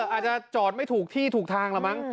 อาจจะจอดไม่ถูกที่ถูกทางแล้วมั้ง